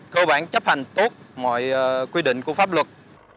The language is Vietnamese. cơ bản chấp hành tốt mọi quy định của pháp luật